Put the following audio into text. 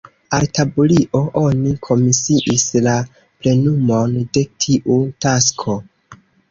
Al Taburio oni komisiis la plenumon de tiu tasko.